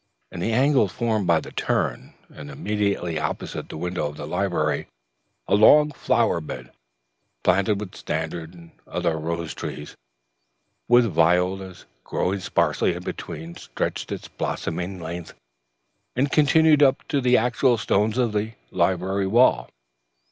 In the angle formed by the turn and immediately opposite the window of the library, a long flower bed, planted with standard and other rose trees, with violas growing sparsely in between, stretched its blossoming length, and continued up to the actual stones of the library wall.